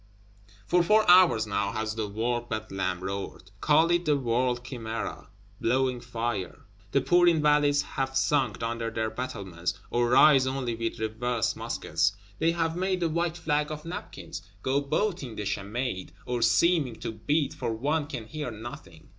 For four hours now has the World Bedlam roared; call it the World Chimæra, blowing fire! The poor Invalides have sunk under their battlements, or rise only with reversed muskets; they have made a white flag of napkins; go beating the chamade, or seeming to beat, for one can hear nothing.